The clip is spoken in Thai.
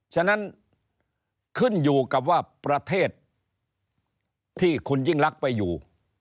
ฉะนั้นขึ้นอยู่กับว่าประเทศที่คุณยิ่งลักษณ์ไปอยู่